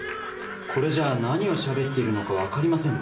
これじゃ何をしゃべっているのか分かりませんね。